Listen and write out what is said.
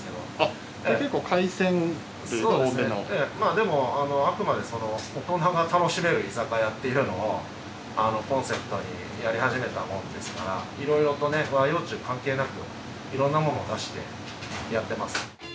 でもあくまで大人が楽しめる居酒屋っていうのをコンセプトにやり始めたもんですからいろいろとね和洋中関係なくいろんなものを出してやってます。